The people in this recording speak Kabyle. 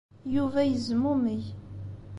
Yuba yezmumeg.